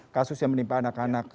kasus yang menimpa anak anak